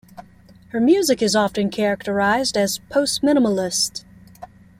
Her music is often characterized as postminimalist.